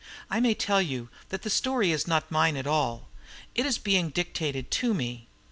I may tell you that the story is not mine at all: it is being dictated to me.